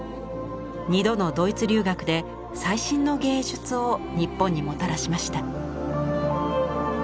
２度のドイツ留学で最新の芸術を日本にもたらしました。